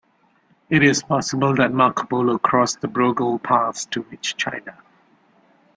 It is possible that Marco Polo crossed the Broghol Pass to reach China.